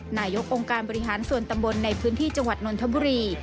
นายกองค์การบริหารส่วนตำบลในพื้นที่จังหวัดนนทบุรี